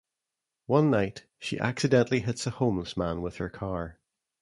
One night, she accidentally hits a homeless man with her car.